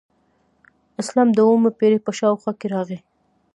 اسلام د اوومې پیړۍ په شاوخوا کې راغی